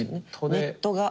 ネットが。